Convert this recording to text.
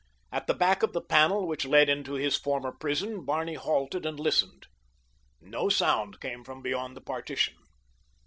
At the back of the panel which led into his former prison Barney halted and listened. No sound came from beyond the partition.